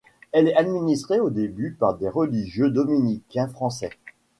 Elle est administrée au début par des religieux dominicains français.